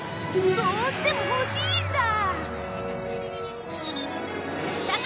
どうしても欲しいんだ！